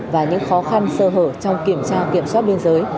và những khó khăn sơ hở trong kiểm tra kiểm soát biên giới